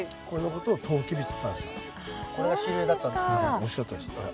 おいしかったですこれ。